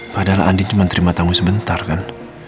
padahal andin cuma terima tanggung sebentar kan